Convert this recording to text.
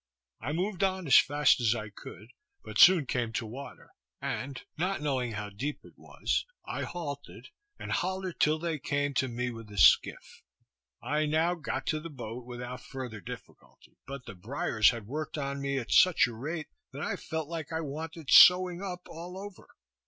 I moved on as fast as I could, but soon came to water, and not knowing how deep it was, I halted and hollered till they came to me with a skiff. I now got to the boat, without further difficulty; but the briers had worked on me at such a rate, that I felt like I wanted sewing up, all over.